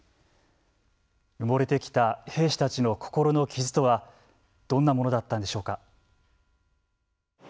埋もれてきた兵士たちの心の傷とはどんなものだったんでしょうか。